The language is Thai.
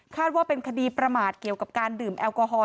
ว่าเป็นคดีประมาทเกี่ยวกับการดื่มแอลกอฮอล